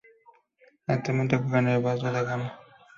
Actualmente juega en el Vasco da Gama.